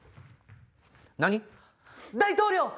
何⁉大統領！